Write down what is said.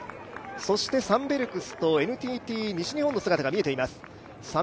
サンベルクスとＮＴＴ西日本の姿が見えています。